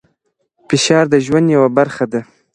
فشار د ژوند یوه برخه ده.